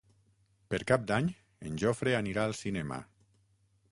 Per Cap d'Any en Jofre anirà al cinema.